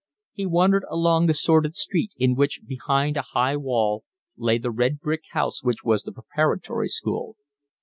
He wandered along the sordid street in which, behind a high wall, lay the red brick house which was the preparatory school.